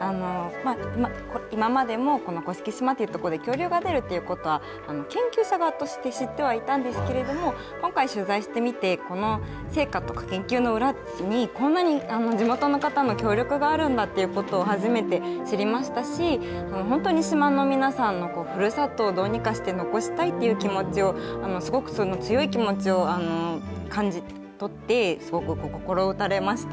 今までも、この甑島という所で、恐竜が出るっていうことは、研究者側として知ってはいたんですけれども、今回、取材してみて、この成果とか、研究の裏に、こんなに地元の方の協力があるんだっていうことを初めて知りましたし、本当に島の皆さんのふるさとをどうにかして残したいっていう気持ちを、すごく強い気持ちを感じ取って、すごく心打たれました。